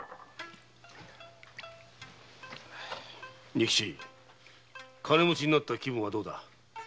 仁吉金持ちになった気分はどうだ？